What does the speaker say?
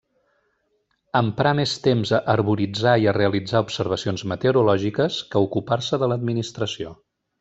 Emprà més temps a herboritzar i a realitzar observacions meteorològiques que a ocupar-se de l'administració.